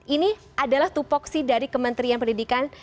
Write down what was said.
ini adalah tupok sih dari kementerian pendidikan